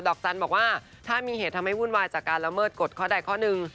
จันทร์บอกว่าถ้ามีเหตุทำให้วุ่นวายจากการละเมิดกฎข้อใดข้อหนึ่ง